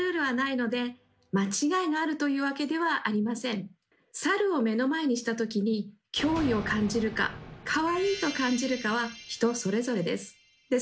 もちろん猿を目の前にした時に脅威を感じるかかわいいと感じるかは人それぞれです。